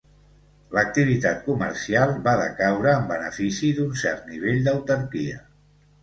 L'activitat comercial va decaure en benefici d'un cert nivell d'autarquia.